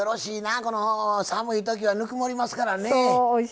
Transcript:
この寒いときはぬくもりますからね。